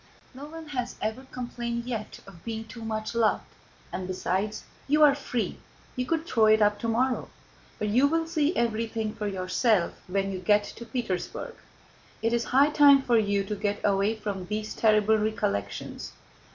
No one has ever complained yet of being too much loved; and besides, you are free, you could throw it up tomorrow. But you will see everything for yourself when you get to Petersburg. It is high time for you to get away from these terrible recollections."